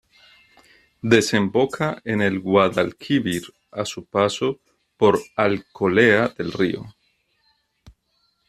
Desemboca en el Guadalquivir, a su paso por Alcolea del Río.